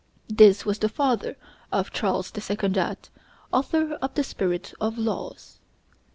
This was the father of Charles de Secondat, author of the 'Spirit of Laws.'